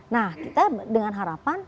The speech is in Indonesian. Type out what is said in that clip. nah kita dengan harapan